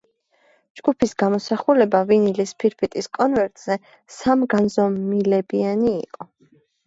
ჯგუფის გამოსახულება ვინილის ფირფიტის კონვერტზე სამგანზომილებიანი იყო.